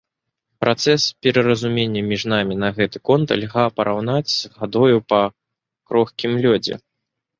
Працэс паразумення між намі на гэты конт льга параўнаць з хадою па крохкім лёдзе.